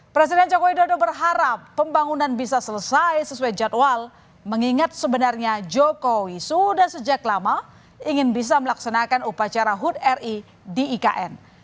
presiden jokowi dodo berharap pembangunan bisa selesai sesuai jadwal mengingat sebenarnya jokowi sudah sejak lama ingin bisa melaksanakan upacara hud ri di ikn